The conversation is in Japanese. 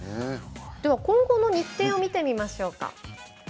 では今後の日程を見てみましょうか。